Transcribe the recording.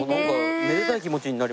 めでたい気持ちになりますね。